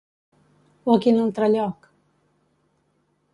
O a quin altre lloc?